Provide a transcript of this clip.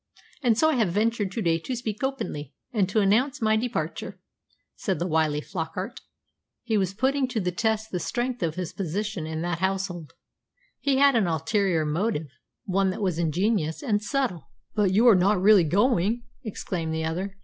And so I have ventured to day to speak openly, and to announce my departure," said the wily Flockart. He was putting to the test the strength of his position in that household. He had an ulterior motive, one that was ingenious and subtle. "But you are not really going?" exclaimed the other.